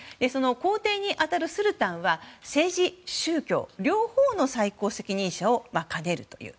皇帝に当たるスルタンは政治、宗教両方の最高責任者を兼ねるという。